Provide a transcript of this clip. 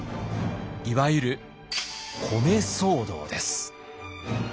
いわゆる米騒動です。